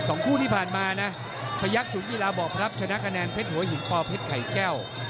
คู่ที่ผ่านมานะพยักษุยกีฬาบอกครับชนะคะแนนเพชรหัวหินปอเพชรไข่แก้ว